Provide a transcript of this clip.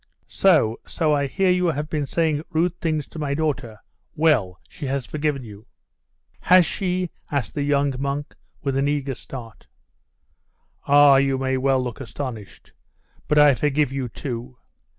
'So, so I hear you have been saying rude things to my daughter. Well, she has forgiven you ' 'Has she?' asked the young monk, with an eager start. 'Ah! you may well look astonished. But I forgive you too.